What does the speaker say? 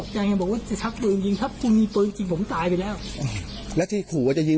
เดี่ยวมาคุยกับลูกน้องคุณเนี้ยยังไม่จบเลย